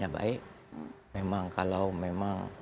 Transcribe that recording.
baik memang kalau memang